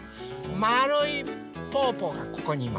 まるいぽぅぽがここにいます。